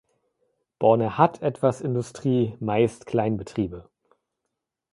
Borne hat etwas Industrie, meist Kleinbetriebe.